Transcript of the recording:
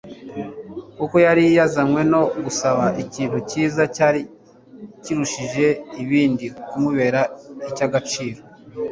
kuko yari yazanywe no gusaba ikintu cyiza cyari kirushije ibindi kumubera icy'agaciro.